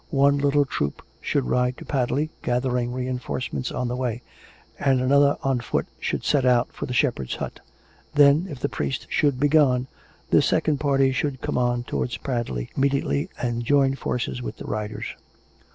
One little troop should ride to Padley, gathering reinforcements on the way, and another on foot should set out for the shepherd's hut. Then, if the priest should be gone, this second party should come on towards Padley immediately and join forces with the riders.